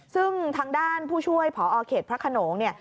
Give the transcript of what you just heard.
ซึ่งทางด้านผู้ช่วยพอเขตพระขนงเนี่ย